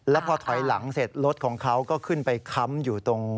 แล้วพอถอยหลังเสร็จรถของเขาก็ขึ้นไปค้ำอยู่ตรง